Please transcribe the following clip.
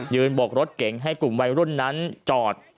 บกรถเก๋งให้กลุ่มวัยรุ่นนั้นจอด